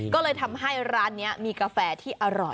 ก็เลยทำให้ร้านนี้มีกาแฟที่อร่อย